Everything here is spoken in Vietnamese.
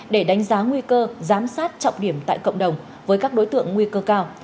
để đánh giá nguy cơ giám sát trọng điểm tại cộng đồng với các đối tượng nguy cơ cao